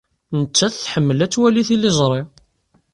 Nettat tḥemmel ad twali tiliẓri.